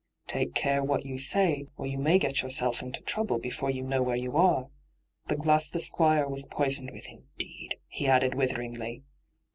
' Take care what you say, or you may get yourself into trouble before you know where you are I The glass the Squire was poisoned with indeed t* he added witheringly.